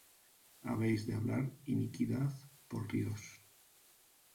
¿Habéis de hablar iniquidad por Dios?